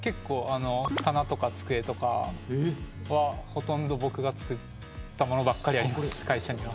棚とか机とかは、ほとんど僕が作ったものばっかりです。